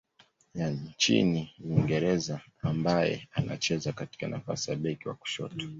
ya nchini Uingereza ambaye anacheza katika nafasi ya beki wa kushoto.